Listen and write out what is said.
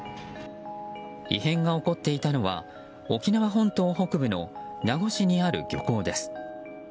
異変が起こっていたのは沖縄本島北部の名護市にある漁港です。